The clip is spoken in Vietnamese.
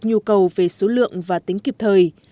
nhu cầu về số lượng và tính kịp thời